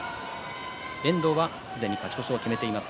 遠藤は、すでに勝ち越しを決めています。